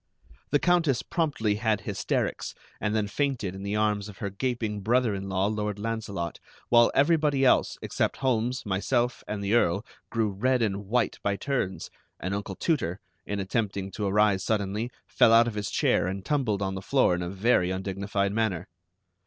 The Countess promptly had hysterics, and then fainted in the arms of her gaping brother in law, Lord Launcelot, while everybody else, except Holmes, myself, and the Earl, grew red and white by turns; and Uncle Tooter, in attempting to arise suddenly, fell out of his chair and tumbled on the floor in a very undignified manner.